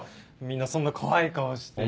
みんなそんな怖い顔して。